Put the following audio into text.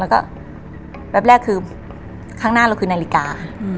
แล้วก็แวบแรกคือข้างหน้าเราคือนาฬิกา